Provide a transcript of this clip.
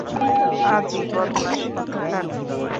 পাজী বদমাশ কোথাকার!